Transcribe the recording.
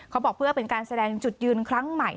บอกเพื่อเป็นการแสดงจุดยืนครั้งใหม่